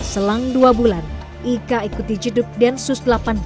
selang dua bulan ika ikuti jeduk densus delapan puluh delapan